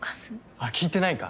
あっ聞いてないか。